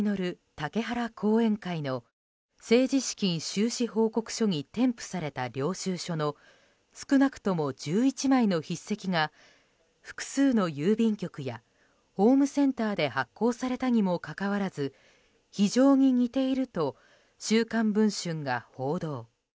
竹原後援会の政治資金収支報告書に添付された領収書の少なくとも１１枚の筆跡が複数の郵便局やホームセンターで発行されたにもかかわらず非常に似ていると「週刊文春」が報道。